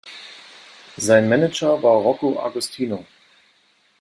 Sein Manager war Rocco Agostino.